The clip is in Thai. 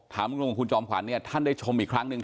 ถามคุณจอมขวานท่านได้ชมอีกครั้งหนึ่ง